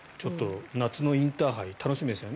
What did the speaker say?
夏のインターハイ楽しみですね。